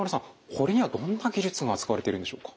これにはどんな技術が使われてるんでしょうか？